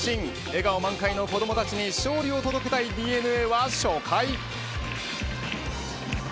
笑顔満開の子どもたちに勝利を届けたいＤｅＮＡは初回。